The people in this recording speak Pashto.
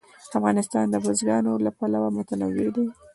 افغانستان د بزګانو له پلوه متنوع هېواد دی.